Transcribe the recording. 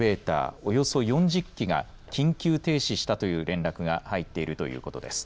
およそ４０機が緊急停止したという連絡が入っているということです。